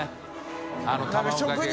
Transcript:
あの卵かけが。